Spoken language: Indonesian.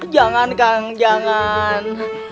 jangan kang jangan